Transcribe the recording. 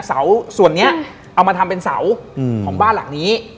เสาส่วนนี้เอามาทำเป็นเสาของบ้านหลังนี้